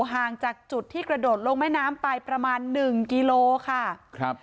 ห่างจากจุดที่กระโดดลงแม่น้ำไปประมาณ๑กิโลกรัมค่ะ